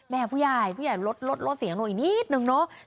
ผู้ใหญ่ผู้ใหญ่ลดลดเสียงลงอีกนิดนึงเนาะ